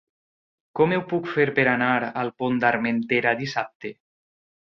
Com ho puc fer per anar al Pont d'Armentera dissabte?